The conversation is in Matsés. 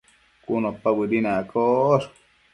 Bëdin cun opa accosh